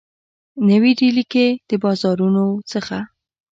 نوي ډیلي کي د بازارونو څخه